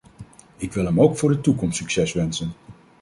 Ik wil hem ook voor de toekomst succes wensen.